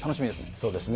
そうですね。